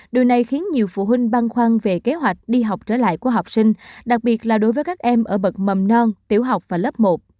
điều này khiến nhiều phụ huynh băn khoăn về kế hoạch đi học trở lại của học sinh đặc biệt là đối với các em ở bậc mầm non tiểu học và lớp một